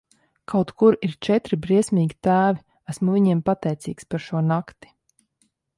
Kaut kur ir četri briesmīgi tēvi, esmu viņiem pateicīgs par šo nakti.